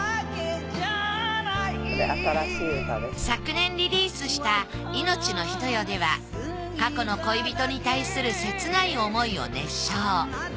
昨年リリースした『いのちの人よ』では過去の恋人に対する切ない思いを熱唱。